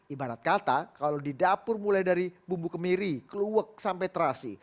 ibarat kata kalau di dapur mulai dari bumbu kemiri kluwek sampai terasi